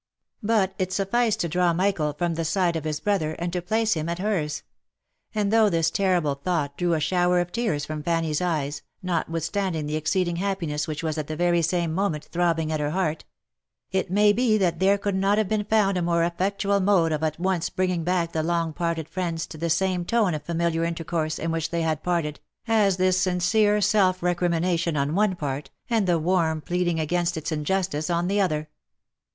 But it sufficed to draw Michael from the side of his brother, and to place him at hers ; and though this terrible thought drew a shower of tears from Fanny's eyes, notwithstanding the exceeding happiness which was at the very same moment throbbing at her heart ; it may be that there could not have been found a more effectual mode of at once bringing back the long parted friends to the same tone of familiar in tercourse in which they had parted, as this sincere self recrimination on one part, and the warm pleading against its injustice, on the other.